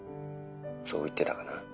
そう言ってたかな。